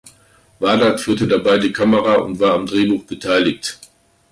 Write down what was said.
Wahdat führte dabei die Kamera und war am Drehbuch beteiligt.